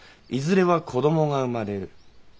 いずれは子供が生まれる。